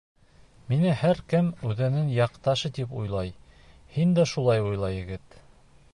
— Мине һәр кем үҙенең яҡташы тип уйлай. һин дә шулай уйла, егет.